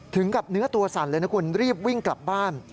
ถึงกับเนื้อตัวสั่นเลยนะคุณรีบวิ่งกลับบ้าน